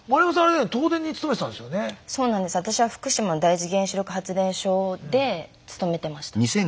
私は福島第一原子力発電所で勤めてました。